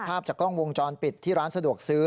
ภาพจากกล้องวงจรปิดที่ร้านสะดวกซื้อ